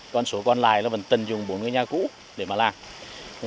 còn số còn lại vẫn tận dụng bốn cái nhà cũ để mà làm